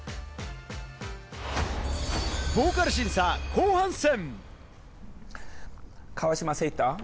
ボーカル審査、後半戦。